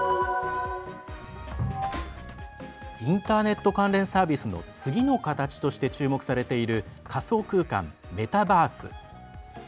インターネット関連サービスの次の形として注目されている仮想空間メタバース。